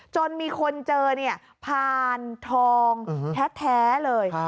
จนมีคนเจอผ่านทองแท้เลย